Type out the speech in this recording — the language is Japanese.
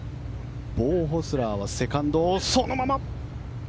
ボウ・ホスラーはセカンドをそのまま。